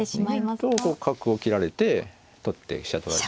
逃げると角を切られて取って飛車取られてしまう。